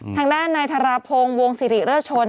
ทางด้านนายธาราพงศ์วงศ์สิริเลือดชน